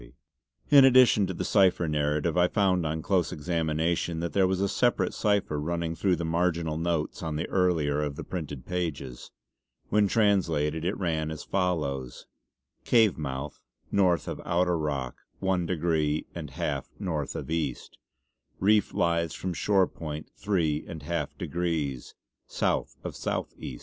In addition to the cipher narrative I found on close examination that there was a separate cipher running through the marginal notes on the earlier of the printed pages. When translated it ran as follows: "Cave mouthe northe of outer rock one degree and half North of East. Reef lies from shore point three and half degrees South of South East."